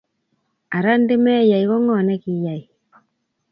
Ara ndimeyai, ko ngo nikinyai?